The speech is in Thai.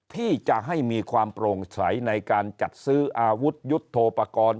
ที่จะให้มีความโปร่งใสในการจัดซื้ออาวุธยุทธโทปกรณ์